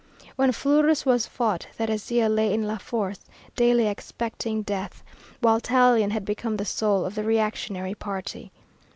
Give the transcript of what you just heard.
When Fleurus was fought Thérézia lay in La Force, daily expecting death, while Tallien had become the soul of the reactionary party.